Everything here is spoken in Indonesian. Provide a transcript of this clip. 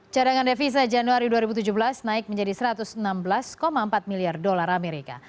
cadangan devisa januari dua ribu tujuh belas naik menjadi satu ratus enam belas empat miliar dolar amerika